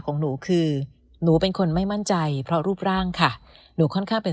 ของหนูคือหนูเป็นคนไม่มั่นใจเพราะรูปร่างค่ะหนูค่อนข้างเป็น